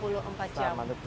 dua puluh empat jam